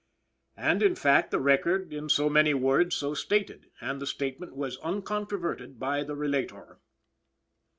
And, in fact, the record in so many words so stated, and the statement was uncontroverted by the relator.